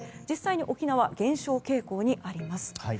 実際に沖縄は減少傾向にあります。